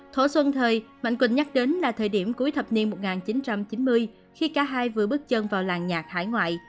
thổ xuân thời mạnh quỳnh nhắc đến là thời điểm cuối thập niên một nghìn chín trăm chín mươi khi cả hai vừa bước chân vào làng nhạc hải ngoại